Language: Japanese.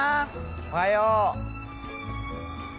おはよう。